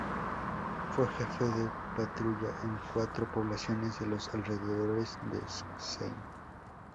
Fue jefe de patrulla en cuatro poblaciones de los alrededores de Szczecin.